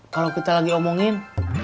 kalau kita lagi omongin